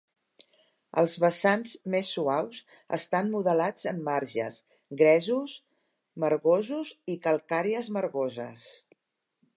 Els vessants més suaus estan modelats en margues, gresos margosos i calcàries margoses.